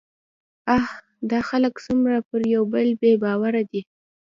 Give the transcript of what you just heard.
اه! دا خلک څومره پر يوبل بې باوره دي